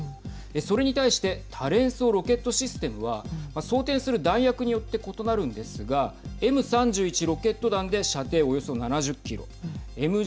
それに対して多連装ロケットシステムは装てんする弾薬によって異なるんですがＭ３１ロケット弾で射程およそ７０キロ。